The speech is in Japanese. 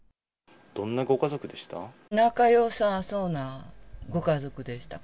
どんなご家族でした？